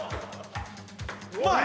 うまい！